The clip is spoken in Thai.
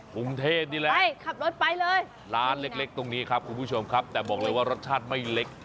ภูมิเทศนี่แหละร้านเล็กตรงนี้ครับคุณผู้ชมครับแต่บอกเลยว่ารสชาติไม่เล็ก